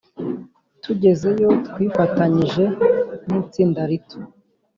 Tugezeyo twifatanyije n itsinda rito